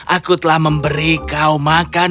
aku telah memberi kau makan